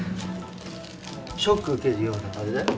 ショック受けるようなあれだよ。